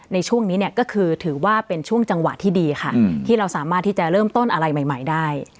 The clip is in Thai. ในช่วงนี้เนี่ยก็คือถือว่าเป็นช่วงจังหวะที่ดีค่ะที่เราสามารถที่จะเริ่มต้นอะไรใหม่ได้